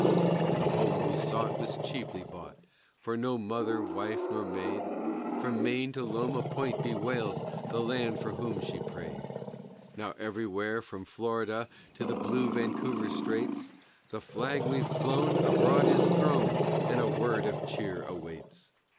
And the home we sought was cheaply bought, for no mother, wife, nor maid From Maine to Loma Point bewails the lad for whom she prayed; Now everywhere, from Florida to the blue Vancouver Straits, The flag we've flown abroad is thrown, and a word of cheer awaits.